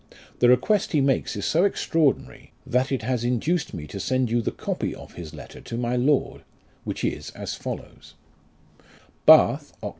The request he makes is so extraordinary, that it has induced me to send you the copy of his letter to my lord, which is as follows : '"Bath, Oct.